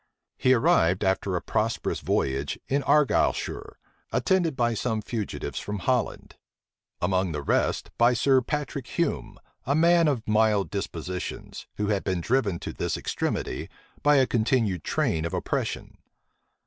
He arrived, after a prosperous voyage, in Argyleshire, attended by some fugitives from Holland; among the rest, by Sir Patrick Hume, a man of mild dispositions, who had been driven to this extremity by a continued train of oppression.